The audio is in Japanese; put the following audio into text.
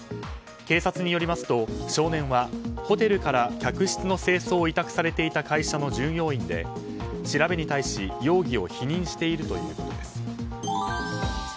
警察によりますと少年はホテルから客室の清掃を委託されていた会社の従業員で調べに対し、容疑を否認しているということです。